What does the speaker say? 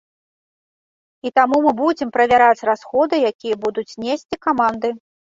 І таму мы будзем правяраць расходы, якія будуць несці каманды.